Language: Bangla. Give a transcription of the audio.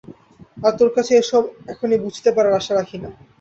আর তোর কাছে এসব এখনই বুঝতে পারার আশা রাখি না।